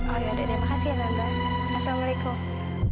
oh iya tante makasih ya tante assalamualaikum